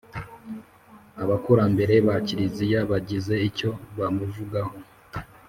abakurambere ba kiliziya bagize icyo bamuvugaho